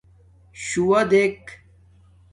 شݸوہ دݵک.